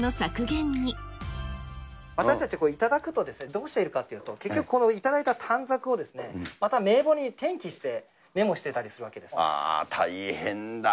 私たちは頂くと、どうしているかというと、結局この頂いた短冊をまた名簿に転記してメモしてたりするわけで大変だ。